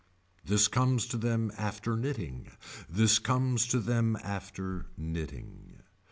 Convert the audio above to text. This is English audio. This comes to them after knitting. This comes to them after knitting.